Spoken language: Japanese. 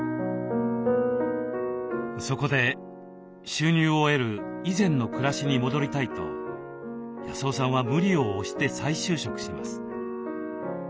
そこで収入を得る以前の暮らしに戻りたいと康雄さんは無理を押して再就職します。